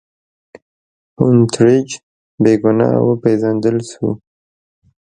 هونټریج بې ګناه وپېژندل شو.